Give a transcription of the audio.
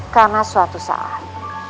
karena suatu saat